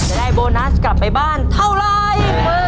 จะได้โบนัสกลับไปบ้านเท่าไร